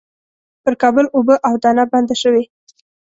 پر کابل اوبه او دانه بنده شوې.